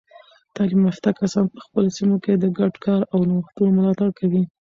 تعلیم یافته کسان په خپلو سیمو کې د ګډ کار او نوښتونو ملاتړ کوي.